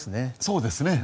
そうですね。